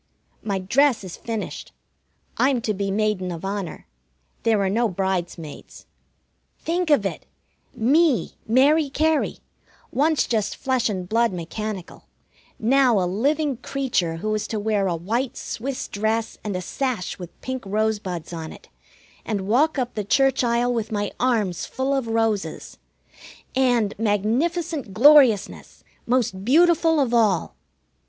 My dress is finished. I'm to be Maiden of Honor. There are no bridesmaids. Think of it! Me, Mary Cary, once just flesh and blood mechanical, now a living creature who is to wear a white Swiss dress and a sash with pink rosebuds on it, and walk up the church aisle with my arms full of roses. And magnificent gloriousness! most beautiful of all!